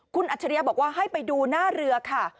คุณอัจฉริยะบอกว่าให้ไปดูหน้าเรือค่ะ